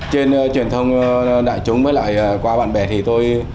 trên truyền thông đại chúng với lại qua bạn bè thì tôi